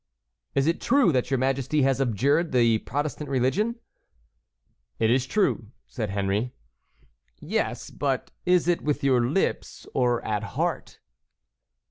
"Is it true that your majesty has abjured the Protestant religion?" "It is true," said Henry. "Yes, but is it with your lips or at heart?"